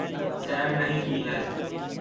سیر نہیں کی ہے